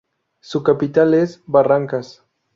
Su capital es Barrancas.